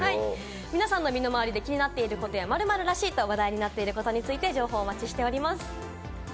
皆さんの身の回りで気になっていることや、「○○らしい」と話題になっていることについて情報をお待ちしております。